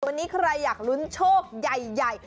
วันนี้ใครอยากลุ้นโชคใหญ่